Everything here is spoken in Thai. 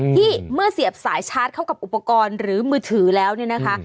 เมื่อเสียบสายชาร์จเข้ากับอุปกรณ์หรือมือถือแล้วเนี่ยนะคะ